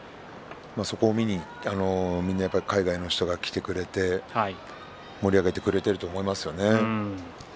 それを見に、海外の方が来てくれて盛り上げてくれていると思います。